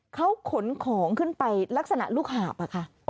เขาขนของขึ้นไปลักษณะลูกหาบอะค่ะ